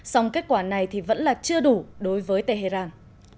song kết quả này thì vẫn là chưa đủ đối với tehran